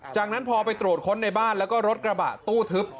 จากนั้นพอไปตรวจค้นในบ้านแล้วก็รถกระบะตู้ทึบ